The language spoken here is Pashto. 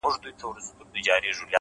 • تا بدرنگۍ ته سرټيټی په لېونتوب وکړ،